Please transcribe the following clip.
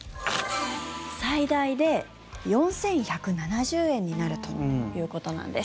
最大で４１７０円になるということなんです。